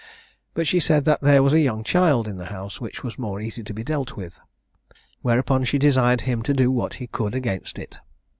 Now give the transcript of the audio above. But she said that there was a young child in the house, which was more easy to be dealt with. Whereupon she desired him to do what he could against it.